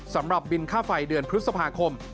สำหรับบินค่าไฟเดือนพฤษภาคม